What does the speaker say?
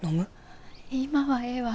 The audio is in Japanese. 今はええわ。